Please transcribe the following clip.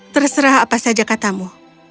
terserah apa saja katamu